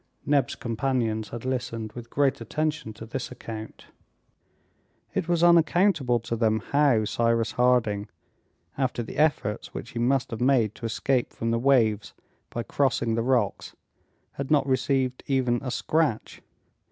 Neb's companions had listened with great attention to this account. It was unaccountable to them how Cyrus Harding, after the efforts which he must have made to escape from the waves by crossing the rocks, had not received even a scratch.